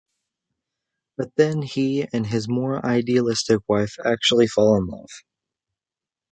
But then he and his more idealistic wife actually fall in love.